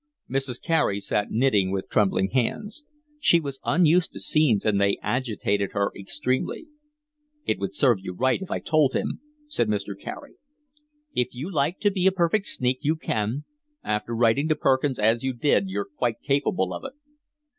Mrs. Carey sat knitting with trembling hands. She was unused to scenes and they agitated her extremely. "It would serve you right if I told him," said Mr. Carey. "If you like to be a perfect sneak you can. After writing to Perkins as you did you're quite capable of it."